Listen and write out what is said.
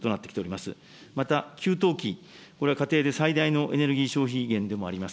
また、給湯器、これは家庭で最大のエネルギー消費源でもあります。